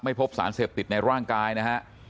พบสารเสพติดในร่างกายนะฮะ